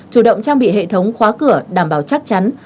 chủ động trang bị hệ thống khóa cửa đảm bảo chắc chắn